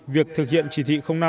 việc thực hiện chỉ thị năm